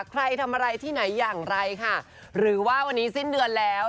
ใครทำอะไรที่ไหนอย่างไรค่ะหรือว่าวันนี้สิ้นเดือนแล้ว